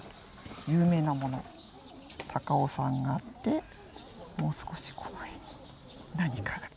高尾山があってもう少しこの辺に何かが。